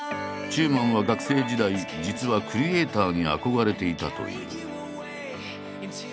中馬は学生時代実はクリエーターに憧れていたという。